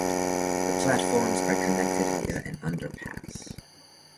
The platforms are connected via an underpass.